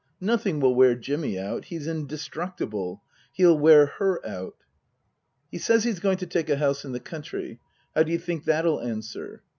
Nothing will wear Jimmy out. He's in destructible. He'll wear her out." " He says he's going to take a house in the country. How do you think that'll answer